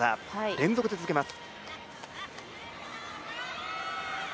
連続で続けます。